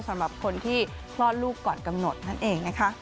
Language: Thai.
สำหรับคนที่คลอดลูกก่อนกำหนดนั่นเองนะคะ